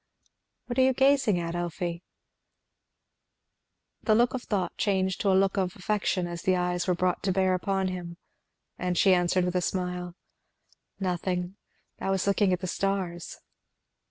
"What are you gazing at, Elfie?" The look of thought changed to a look of affection as the eyes were brought to bear upon him, and she answered with a smile, "Nothing, I was looking at the stars."